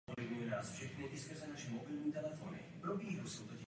Ale mám výhrady k jazykům, jež se mají používat.